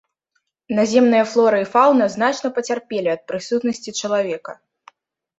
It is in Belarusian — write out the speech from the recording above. Наземныя флора і фаўна значна пацярпелі ад прысутнасці чалавека.